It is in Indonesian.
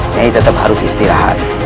nyai tetap harus istirahat